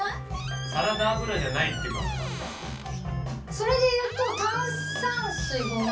それで言うと。